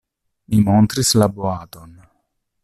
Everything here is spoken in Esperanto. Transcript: Mi montris la boaton.